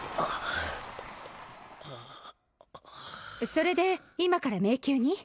それで今から迷宮に？